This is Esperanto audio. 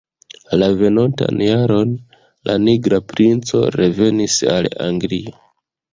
La venontan jaron, la Nigra Princo revenis al Anglio.